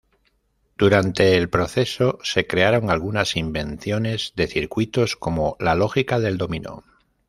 Durante el proceso, se crearon algunas invenciones de circuitos, como "la lógica del dominó".